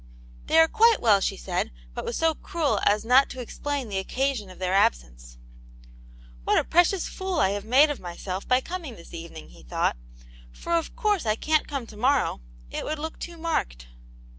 " They are quite well," she said, but was so crud as not to explain the occasion of their absence. " What a precious fool I have made of myself by coming this evening!" he thought. "For of course I can't come to morrow; it would look too marked."